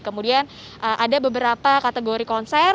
kemudian ada beberapa kategori konser